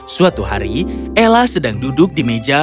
suatu hari ella sedang duduk di meja